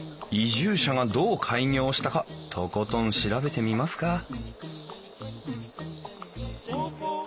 移住者がどう開業したかとことん調べてみますか